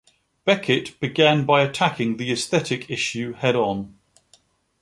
Beckett began by attacking the aesthetic issue head on.